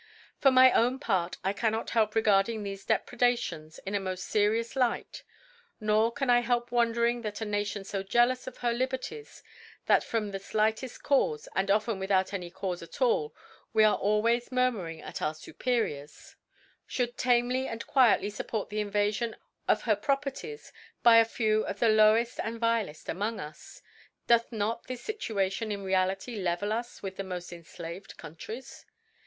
For i 3 ) For my own Part, I cannot help regard ing thefe Depredations in a molt ferious Light : Nor can I help wondering that a Nation fo jealous of her Liberties, that from the flighteft Caufe, and often without any Caufe at all, we are always murmuring at our Superiors, (hould tamely afid quietly fupport the Invafion of her Properties by a few of the lowed and vileft among us : Doth not this Situation in reality level us with ihe moft enflaved Countries